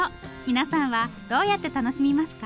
皆さんはどうやって楽しみますか？